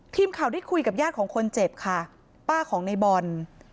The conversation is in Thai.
ทีมข่าวได้คุยกับญาติของคนเจ็บค่ะป้าของในบอล